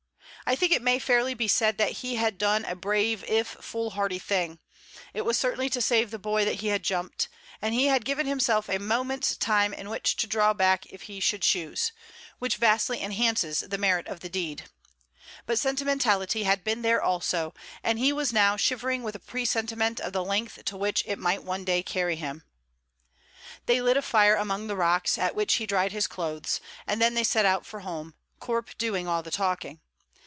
I think it may fairly be said that he had done a brave if foolhardy thing; it was certainly to save the boy that he had jumped, and he had given himself a moment's time in which to draw back if he chose, which vastly enhances the merit of the deed. But sentimentality had been there also, and he was now shivering with a presentiment of the length to which it might one day carry him. They lit a fire among the rocks, at which he dried his clothes, and then they set out for home, Corp doing all the talking.